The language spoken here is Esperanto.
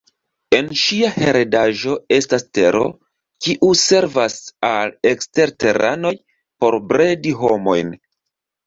En ŝia heredaĵo estas Tero, kiu servas al eksterteranoj por bredi homojn.